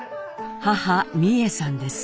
母美惠さんです。